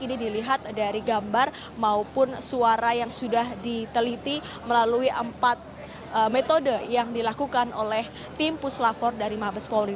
ini dilihat dari gambar maupun suara yang sudah diteliti melalui empat metode yang dilakukan oleh tim puslavor dari mabes polri